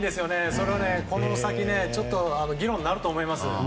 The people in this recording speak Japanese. それはこの先議論になると思います。